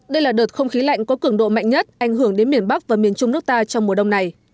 đây là đợt không khí lạnh có cường độ mạnh nhất ảnh hưởng đến miền bắc và miền trung nước ta trong mùa đông này